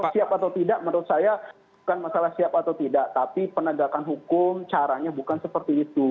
siap atau tidak menurut saya bukan masalah siap atau tidak tapi penegakan hukum caranya bukan seperti itu